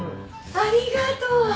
ありがとう！